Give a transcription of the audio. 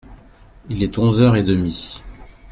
Il est onze heures et demi.